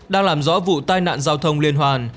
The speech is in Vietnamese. đang làm rõ vụ tai nạn giao thông liên hoàn